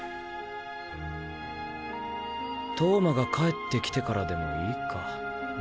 投馬が帰ってきてからでもいいかな。